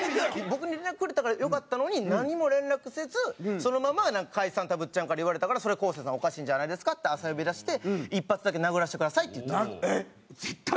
僕に連絡くれたらよかったのになんにも連絡せずそのまま解散たぶっちゃんから言われたから「それは昴生さんおかしいんじゃないですか？」って朝呼び出して「一発だけ殴らせてください」って言ったんですよ。